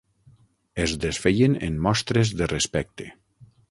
Es desfeien en mostres de respecte.